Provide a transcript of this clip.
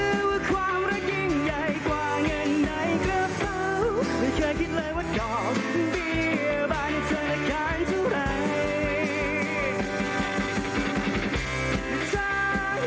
รู้ว่าความรักยิ่งใหญ่กว่าเงินไหนก็เท่าไม่เคยคิดเลยว่าดอกเบียบาทให้เธอมาการเท่าไหร่